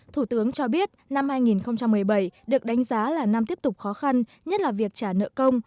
thủ tướng cho biết năm hai nghìn một mươi bảy được đánh giá là năm tiếp tục khó khăn nhất là việc trả nợ công